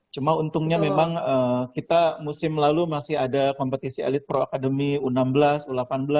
cuma untungnya memang kita musim lalu masih ada kompetisi elite pro academy u enam belas u delapan belas